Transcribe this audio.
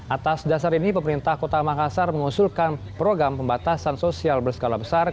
atas dasar ini pemerintah kota makassar mengusulkan program pembatasan sosial berskala besar